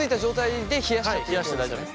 はい冷やして大丈夫です。